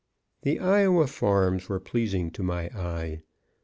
The Iowa farms were pleasing to my eye.